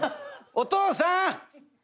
お父さん！」